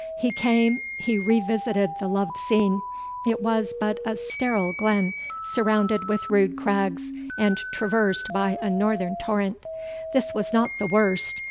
He came he revisited the loved scene; it was but a sterile glen, surrounded with rude crags, and traversed by a northern torrent. This was not the worst.